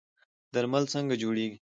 درمل څنګه جوړیږي؟